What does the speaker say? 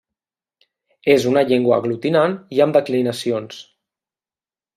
És una llengua aglutinant i amb declinacions.